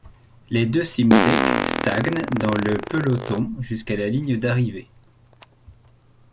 Les deux Simtek stagnent dans le peloton jusqu'à la ligne d'arrivée.